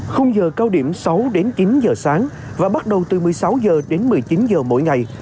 khung giờ cao điểm sáu đến chín giờ sáng và bắt đầu từ một mươi sáu h đến một mươi chín h mỗi ngày